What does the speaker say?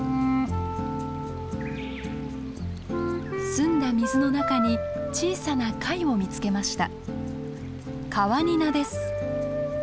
澄んだ水の中に小さな貝を見つけました。